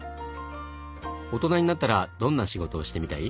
大人になったらどんな仕事をしてみたい？